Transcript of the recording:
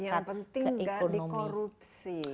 yang penting tidak dikorupsi